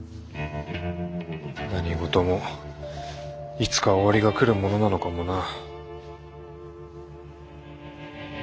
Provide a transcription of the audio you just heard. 何事もいつか終わりが来るものなのかもな。